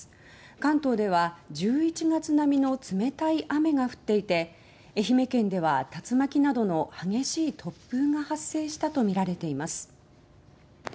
関東では１１月並みの冷たい雨が降っていて愛媛県では竜巻などの激しい突風が発生したとみられています。